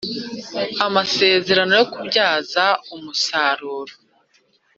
Amasezerano yo kubyaza umusaruro